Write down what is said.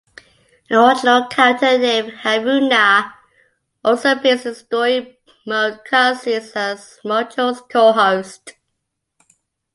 An original character named Haruna also appears in story mode cutscenes as Mujoe's co-host.